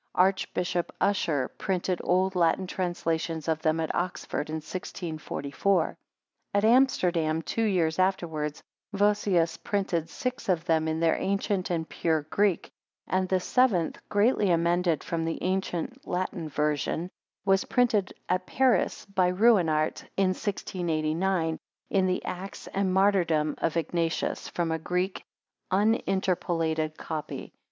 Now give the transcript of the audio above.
Archbishop Usher printed old Latin translations of them at Oxford, in 1644. At Amsterdam, two years afterwards, Vossius printed six of them in their ancient and pure Greek; and the seventh, greatly amended from the ancient Latin version, was Printed at Paris, by Ruinart, in 1689, in the Acts and Martyrdom of Ignatius, from a Greek uninterpolated copy.